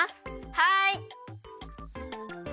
はい！